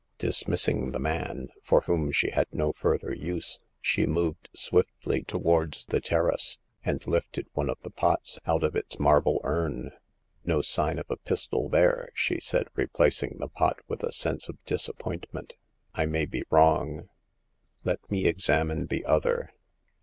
Dis missing the man, for whom she had no further use, she moved swiftly towards the terrace, and lifted one of the pots out of its marble urn. " No sign of a pistol there," she^aid, replacing the pot with a sense of disappointment. " I may be wrong. Let me examine the other."